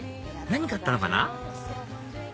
何買ったのかな？